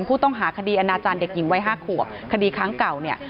ผู้ต้องหาคดีอนาจารย์เด็กหญิงวัย๕ขวบคดีครั้งเก่าเนี่ย